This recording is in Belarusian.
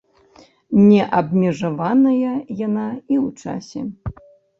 Не абмежаваная яна і ў часе.